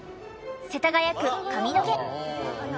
世田谷区上野毛。